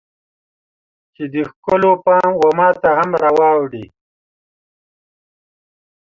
چې د ښکلو پام و ماته هم راواوړي